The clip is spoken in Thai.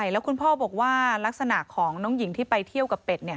แล้วคุณพ่อบอกว่าลักษณะของน้องหญิงที่ไปเที่ยวกับเป็ด